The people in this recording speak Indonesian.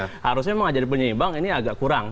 harusnya memang jadi penyeimbang ini agak kurang